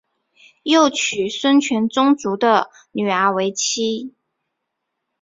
又娶孙权宗族的女儿为妻。